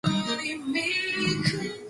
The task force was chaired by Allen Frances.